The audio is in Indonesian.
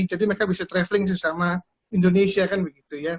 jadi mereka bisa traveling sama indonesia kan begitu ya